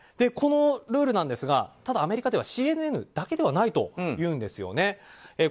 このルールなんですがアメリカではＣＮＮだけではないというんですよね。